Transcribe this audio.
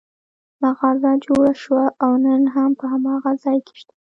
مغازه جوړه شوه او نن هم په هماغه ځای کې شته.